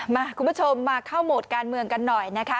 คุณผู้ชมมาเข้าโหมดการเมืองกันหน่อยนะคะ